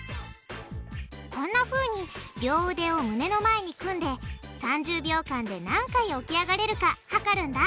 こんなふうに両うでを胸の前に組んで３０秒間で何回起き上がれるか測るんだ